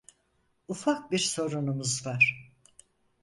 Ufak bir sorunumuz var.